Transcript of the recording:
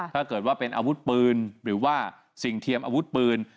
ถ้าเกิดว่าเป็นอาวุธปืนหรือว่าสิ่งเทียมอาวุธปืน